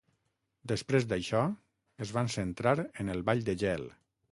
Després d'això es van centrar en el ball de gel.